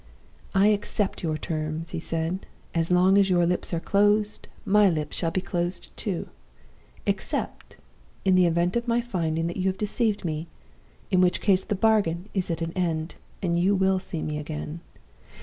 "'I accept your terms,' he said. 'As long as your lips are closed, my lips shall be closed too except in the event of my finding that you have deceived me; in which case the bargain is at an end, and you will see me again.